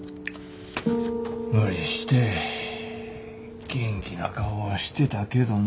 無理して元気な顔はしてたけどな。